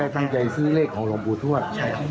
ตั้งใจซื้อเลขของหลวงปู่ทวด